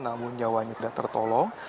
namun nyawanya tidak tertolong